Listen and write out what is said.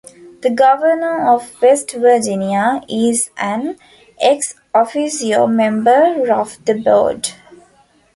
The Governor of West Virginia is an Ex-officio member of the board.